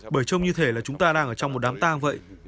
bởi trông như thế là chúng ta đang ở trong một đám tang vậy